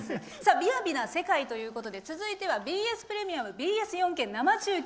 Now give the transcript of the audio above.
雅な世界ということで続いてはＢＳプレミアム４Ｋ「生中継！